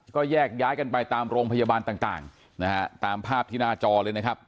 ก็แยกย้ายกันไปตามโรงพยาบาลต่างนะฮะตามภาพที่หน้าจอเลยนะครับ